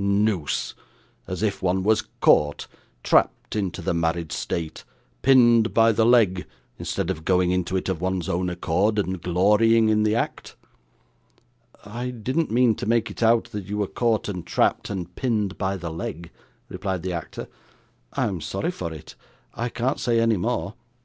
'Noose! As if one was caught, trapped into the married state, pinned by the leg, instead of going into it of one's own accord and glorying in the act!' 'I didn't mean to make it out, that you were caught and trapped, and pinned by the leg,' replied the actor. 'I'm sorry for it; I can't say any more.